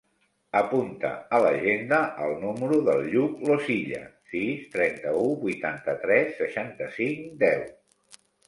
Apunta a l'agenda el número del Lluc Losilla: sis, trenta-u, vuitanta-tres, seixanta-cinc, deu.